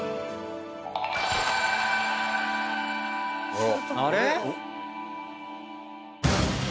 あれ？